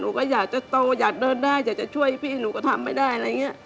ลูกสาจะทำงานได้อย่างนั้น